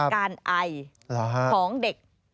การไอของเด็ก